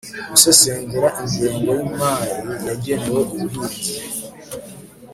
gusesengura ingengo y'imari yagenewe ubuhinzi